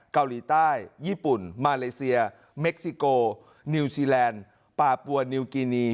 เกาหลีใต้ญี่ปุ่นมาเลเซียเม็กซิโกนิวซีแลนด์ปาปัวนนิวกินี